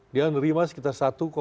dia menerima sekitar satu